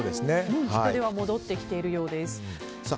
人出は戻ってきているようです。